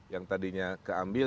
yang tadinya keambil